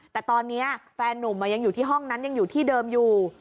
แต่ตอนนี้แฟนนุ่มยังอยู่ที่ห้องนั้นยังอยู่ที่เดิมอยู่